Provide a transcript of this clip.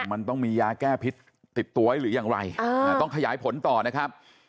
มันต้องมียาแก้พิษติดตัวไว้หรือยังไรต้องขยายผลต่อนะครับ